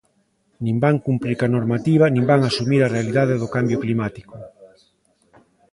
Nin van cumprir coa normativa nin van asumir a realidade do cambio climático.